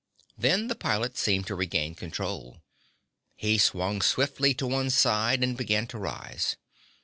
Then the pilot seemed to regain control. He swung swiftly to one side and began to rise.